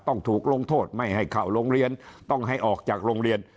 ต้องถูกลงโทษไม่ให้เข้าโรงเรียนต้องให้ออกจากโรงเรียน